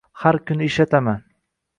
Har kuni ishlataman